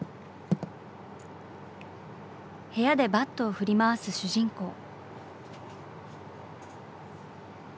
部屋でバットを振り回す主人公。